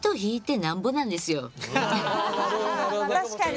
確かに。